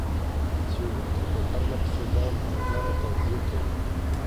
څیړونکي په پرله پسې ډول منظمي تجزیې کوي.